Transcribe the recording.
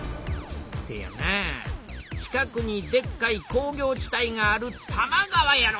せやなぁ近くにでっかい工業地帯がある多摩川やろ。